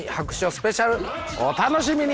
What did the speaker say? スペシャルお楽しみに。